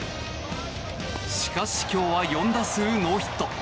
しかし、今日は４打数ノーヒット。